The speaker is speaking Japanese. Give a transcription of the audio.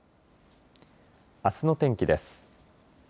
あすの天気です。